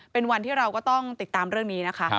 เป็นวันที่เราก็ต้องติดตามเรื่องนี้นะคะ